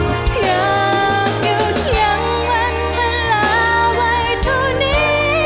อยากหยุดอย่างวันเวลาไว้ช่วงนี้